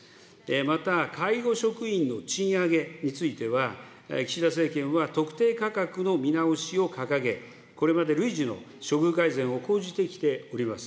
また、介護職員の賃上げについては、岸田政権は、特定価格の見直しを掲げ、これまで累次の処遇改善を講じてきております。